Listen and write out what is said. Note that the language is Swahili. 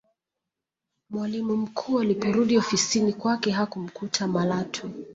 mwalimu mkuu aliporudi ofisini kwake hakumkuta malatwe